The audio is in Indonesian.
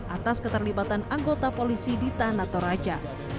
atas keterlibatan anggota polisi ditahan atau raja